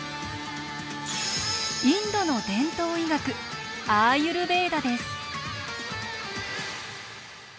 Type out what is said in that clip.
インドの伝統医学アーユルヴェーダです。